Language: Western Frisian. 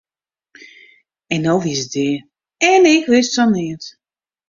En no wie se dea en ik wist fan neat!